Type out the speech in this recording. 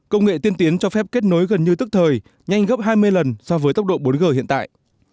công nghệ tiên tiến cho phép kết nối gần như tức thời nhanh gấp hai mươi lần so với tốc độ bốn g hiện tại